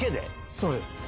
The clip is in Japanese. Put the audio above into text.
そうです。